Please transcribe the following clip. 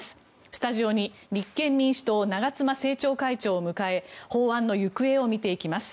スタジオに立憲民主党長妻政調会長を迎え法案の行方を見ていきます。